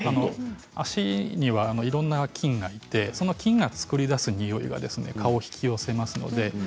足にはいろんな菌があってそれが作り出すにおいが蚊を引き寄せます。